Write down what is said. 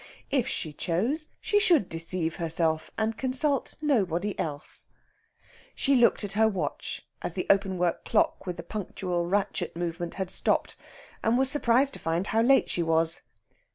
If she chose, she should deceive herself, and consult nobody else. She looked at her watch, as the open work clock with the punctual ratchet movement had stopped, and was surprised to find how late she was.